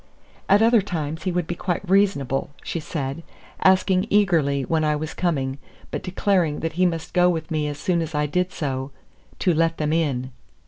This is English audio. At other times he would be quite reasonable, she said, asking eagerly when I was coming, but declaring that he must go with me as soon as I did so, "to let them in."